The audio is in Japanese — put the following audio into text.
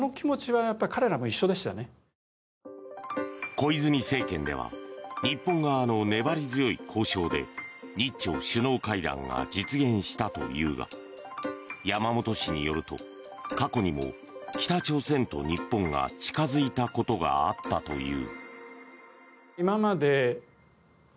小泉政権では日本側の粘り強い交渉で日朝首脳会談が実現したというが山本氏によると、過去にも北朝鮮と日本が近づいたことがあったという。